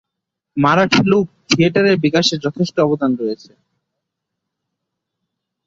মারাঠী লোক-থিয়েটারের বিকাশে এর যথেষ্ট অবদান রয়েছে।